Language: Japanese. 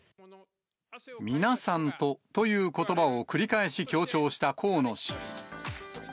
皆さんとということばを繰り返し強調した河野氏。